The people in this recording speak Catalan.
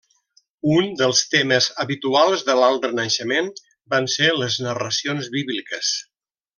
Un dels temes habituals de l'Alt Renaixement van ser les narracions bíbliques.